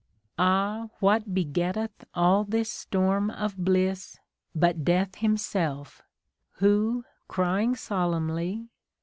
Ah ! what begetteth all this storm of bliss, But Death himself, who crying solemnly.